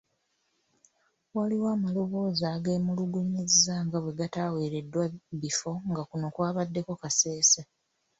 Waliwo amaloboozi ageemulugunyizza nga bwe gataaweereddwa bifo nga kuno kwabaddeko Kasese.